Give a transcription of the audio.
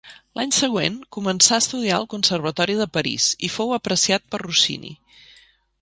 L'any següent començà a estudiar al Conservatori de París i fou apreciat per Rossini.